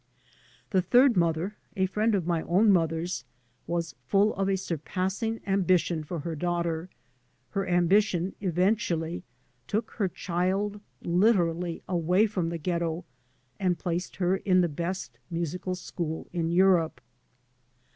The third mother, a friend of my own mother's, was full of a surpassing ambition for her daughter; her ambition eventually took her child literally away from the ghetto and placed her in the best musical school in Europe.